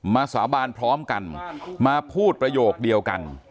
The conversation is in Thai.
สาบานพร้อมกันมาพูดประโยคเดียวกัน